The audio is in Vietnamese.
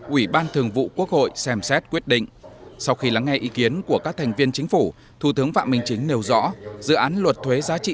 ủy ban thường vụ quốc hội xem xét quyết định sau khi lắng nghe ý kiến của các thành viên chính phủ thủ tướng phạm minh chính nêu rõ dự án luật thuế giá trị